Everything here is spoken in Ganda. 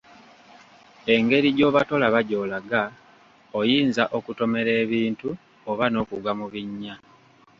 Engeri gy’oba tolaba gy’olaga, oyinza okutomera ebintu oba n’okugwa mu binnya.